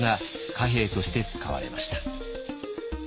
貨幣として使われました。